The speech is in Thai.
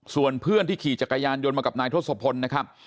ส่วนเพื่อนที่ขี่จักรยานยนต์มากับนายทศพลนะครับ